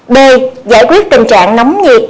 b giải quyết tình trạng nóng nhiệt